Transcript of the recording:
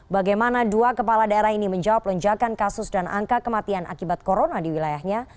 bagaimana dua kepala daerah ini menjawab lonjakan kasus dan angka kematian akibat corona di wilayahnya